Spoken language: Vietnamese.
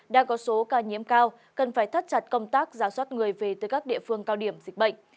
đã có số ca nhiễm cao cần phải thắt chặt công tác giả soát người về từ các địa phương cao điểm dịch bệnh